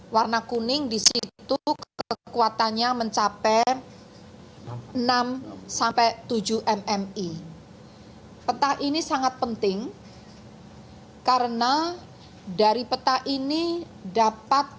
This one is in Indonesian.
warna kuning disitu kekuatannya mencapai enam sampai tujuh mmi peta ini sangat penting karena dari peta ini dapat